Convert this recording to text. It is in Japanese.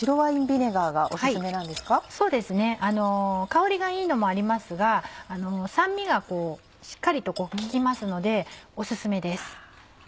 香りがいいのもありますが酸味がしっかりと効きますのでお薦めです。